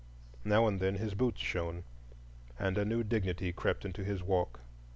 Now and then his boots shone, and a new dignity crept into his walk.